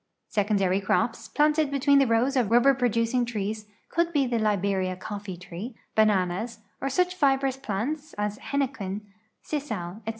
Secondary crops, planted between the rows of rul)ber produc ing trees, could be the Tjiberia colTee tree, bananas, or such fibrous ])lants as hennequen, sisal, etc.